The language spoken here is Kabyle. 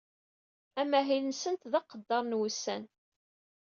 Amahil-nsent d aqedder n usɣar.